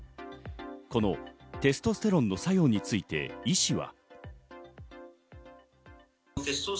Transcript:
このテストステロンの作用について医師は。